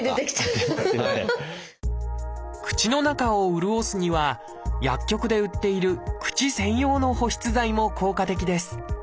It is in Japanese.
口の中を潤すには薬局で売っている口専用の保湿剤も効果的です。